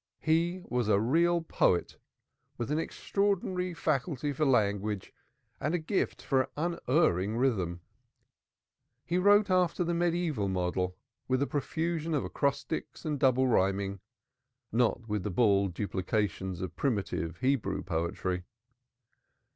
He was a real poet with an extraordinary faculty for language and a gift of unerring rhythm. He wrote after the mediaeval model with a profusion of acrostics and double rhyming not with the bald duplications of primitive Hebrew poetry.